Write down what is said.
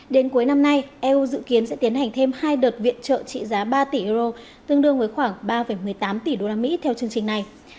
đến cuối năm nay eu dự kiến sẽ tiến hành thêm hai đợt viện trợ trị giá ba tỷ euro tương đương với khoảng ba một mươi tám tỷ usd theo chương trình này